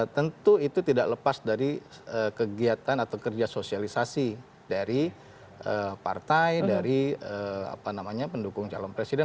tentu itu tidak lepas dari kegiatan atau kerja sosialisasi dari partai dari pendukung calon presiden